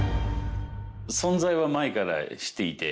存在は前から知っていて。